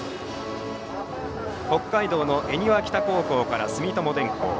北海道の恵庭北高校から住友電工。